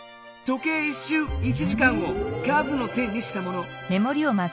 時計１しゅう１時間を数の線にしたもの。